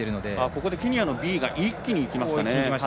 ここでケニアのビイが一気にいきました。